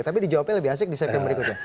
tapi dijawabnya lebih asik di segmen berikutnya